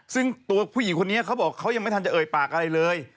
ซึ่งตัวผู้หญิงคนนี้เขาบอกเขายังไม่ทันจะเอ่ยปากอะไรเลย